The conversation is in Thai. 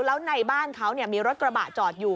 แล้วในบ้านเขามีรถกระบะจอดอยู่